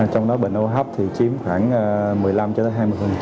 trong đó bệnh hô hấp thì chiếm khoảng một mươi năm cho tới hai mươi